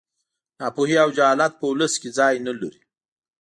ناپوهي او جهالت په ولس کې ځای نه لري